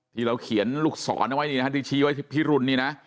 ที่เราเขียนลูกศรเอาไว้นี่นะฮะที่ชี้ไว้พิรุณนี่นะ